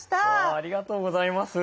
ありがとうございます。